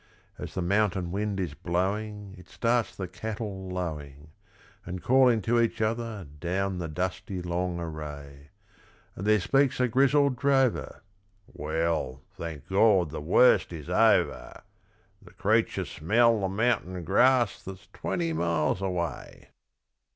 As the mountain wind is blowing It starts the cattle lowing, And calling to each other down the dusty long array; And there speaks a grizzled drover: 'Well, thank God, the worst is over, The creatures smell the mountain grass that's twenty miles away.'